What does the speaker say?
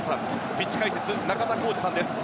ピッチ解説、中田浩二さんです。